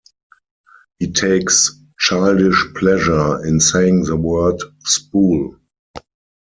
He takes childish pleasure in saying the word 'spool'.